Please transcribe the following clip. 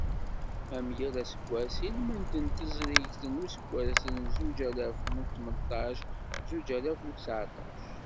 Am yal aseggas, i lmend n teẓrigt n useggas n zuǧ alaf u tmenṭac, zuǧ alaf u tteɛṭac.